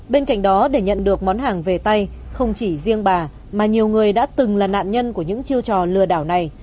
bên cạnh đó để nhận được món hàng về tay không chỉ riêng bà mà nhiều người đã từng là nạn nhân của những chiêu trò lừa đảo này